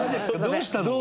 どうしたの？